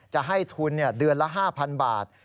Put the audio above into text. จะให้ทุนเดือนละ๕๐๐๐บาท